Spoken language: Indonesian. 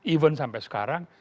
even sampai sekarang